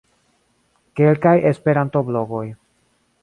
Kelkaj Esperanto-blogoj.